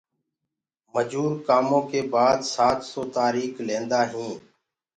مجور ڪآموُ ڪي بآد سآت سو تآريڪ لينٚدآ هينٚ